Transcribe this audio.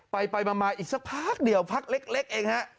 ไปไปมาอีกสักผักเดียวภักดิ์เล็กเองนะ